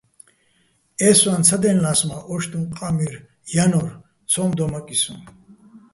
ე́ჲსვაჼ ცადჲელნა́ს, მა́ ო́შტუჼ ყამირ ჲანო́რ, ცო́მ დომაკიჼ სოჼ.